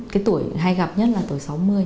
cái tuổi hay gặp nhất là tuổi sáu mươi